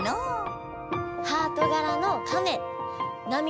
ハートがらのカメなみ